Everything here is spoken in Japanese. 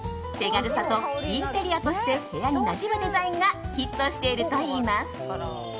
手軽さと、インテリアとして部屋になじむデザインがヒットしているといいます。